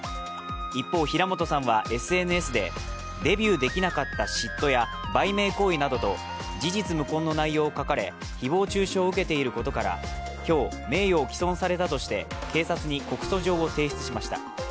一方、平本さんはＳＮＳでデビューできなかった嫉妬や売名行為などと事実無根の内容を書かれ誹謗中傷を受けていることから、今日、名誉を毀損されたとして警察に告訴状を提出しました。